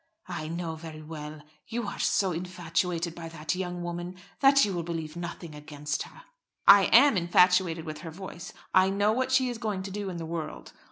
"I know very well. You are so infatuated by that young woman that you will believe nothing against her." "I am infatuated with her voice; I know what she is going to do in the world.